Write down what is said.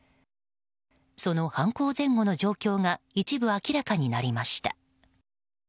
その犯行前後の状況が一部、明らかになりました。